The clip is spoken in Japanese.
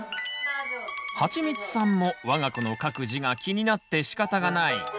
はちみつさんもわが子の書く字が気になってしかたがない。